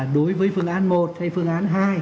đối với phương án một hay phương án hai